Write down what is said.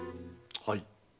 はい。